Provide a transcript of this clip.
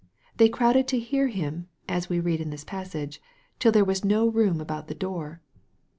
They crowded to hear Him, as we read in this passage, " till there was no room about the door."